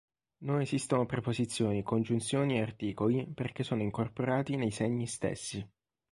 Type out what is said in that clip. Non esistono preposizioni, congiunzioni e articoli perché sono incorporati nei segni stessi.